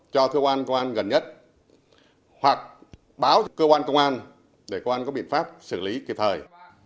cho cơ quan công an gần nhất hoặc báo cho cơ quan công an để cơ quan có biện pháp xử lý kịp thời